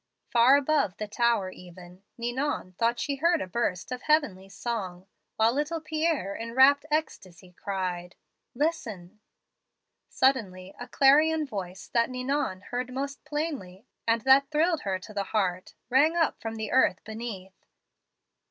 "Far above the tower even, Ninon thought she heard a burst of heavenly song, while little Pierre in rapt ecstasy cried,' Listen.' "Suddenly a clarion voice that Ninon heard most plainly, and that thrilled her to the heart, rang up from the earth beneath.